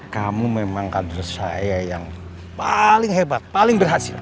kamu memang kader saya yang paling hebat paling berhasil